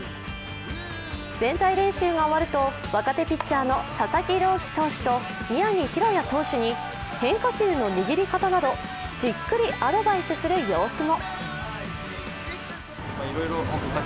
全体練習が終わると若手ピッチャーの佐々木朗希投手と宮城大弥投手に変化球の握り方などじっくりアドバイスする様子も。